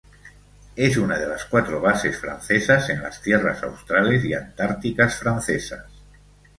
Es una de las cuatro bases francesas en las Tierras Australes y Antárticas Francesas.